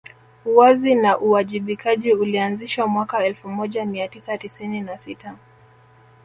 Uwazi na uwajibikaji ulianzishwa mwaka elfu moja Mia tisa tisini na sita